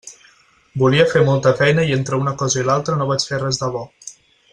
Volia fer molta feina i entre una cosa i l'altra no vaig fer res de bo.